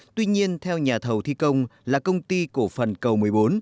tuy nhiên theo nhà thầu thi công là công ty cổ phần cầu một mươi bốn